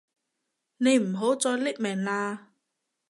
你唔好再匿名喇